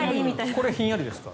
これ、ひんやりですか？